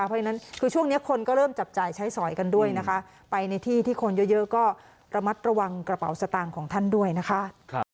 เพราะฉะนั้นคือช่วงนี้คนก็เริ่มจับจ่ายใช้สอยกันด้วยนะคะไปในที่ที่คนเยอะก็ระมัดระวังกระเป๋าสตางค์ของท่านด้วยนะคะ